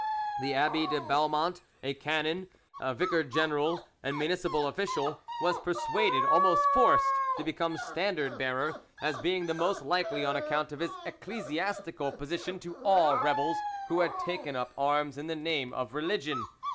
The Abbe de Belmont, a canon, vicar general, and municipal official, was persuaded, almost forced, to become standard bearer, as being the most likely on account of his ecclesiastical position to awe rebels who had taken up arms in the name of religion.